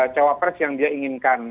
cowok pres yang dia inginkan